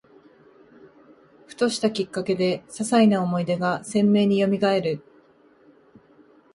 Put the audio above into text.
ふとしたきっかけで、ささいな思い出が鮮明によみがえる